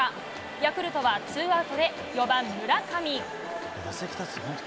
ヤクルトはツーアウトで４番村上。